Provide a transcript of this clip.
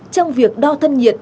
trong việc đo thân nhiệt